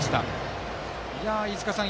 飯塚さん